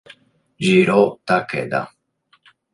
Jirō Takeda